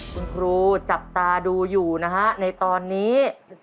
คุณครูจับตาดูอยู่นะฮะในตอนนี้